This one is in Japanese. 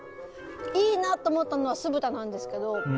いいなと思ったのは酢豚なんですけど。